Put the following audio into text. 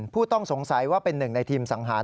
ผู้ต้องสงสัยว่าเป็นหนึ่งในทีมสังหาร